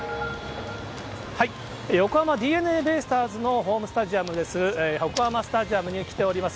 横浜ＤｅＮＡベイスターズのホームスタジアムです、横浜スタジアムに来ております。